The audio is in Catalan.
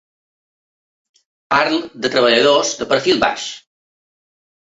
Parlo de treballadors de perfil baix.